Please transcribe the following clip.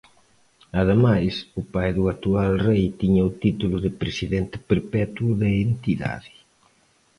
Ademais, o pai do actual rei tiña o título de "presidente perpetuo" da entidade.